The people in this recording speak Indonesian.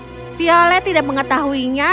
oh violet tidak mengetahuinya